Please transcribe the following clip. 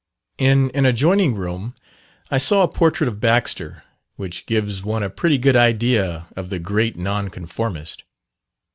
In an adjoining room I saw a portrait of Baxter, which gives one a pretty good idea of the great Nonconformist.